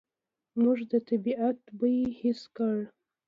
موږ د طبعیت بوی حس کړ.